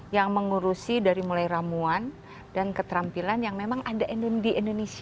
yang mengurusi dari mulai ramuan dan keterampilan yang memang ada di indonesia